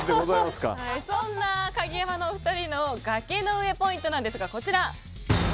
そんなカゲヤマのお二人の崖の上ポイントですがこちら。